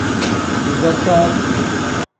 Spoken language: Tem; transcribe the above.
Iza caasi.